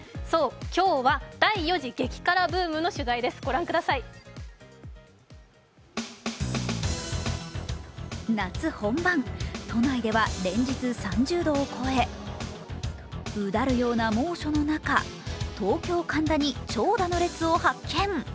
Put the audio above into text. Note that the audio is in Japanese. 今日は第４次激辛ブームの取材です夏本番、都内では連日３０度を超えうだるような猛暑の中、東京・神田に長蛇の列を発見。